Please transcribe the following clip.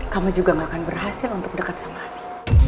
kamu juga gak akan berhasil untuk dekat sama hati